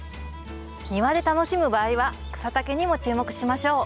庭で楽しむ場合は草丈にも注目しましょう。